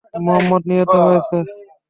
মুহাম্মাদ নিহত হয়েছে।